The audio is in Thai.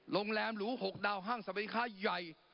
โรงแรมหรู๖ดาวห้างสรรพสินค้าใหญ่